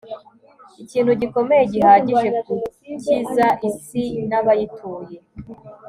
ikintu gikomeye gihagije gukiza isi nabayituye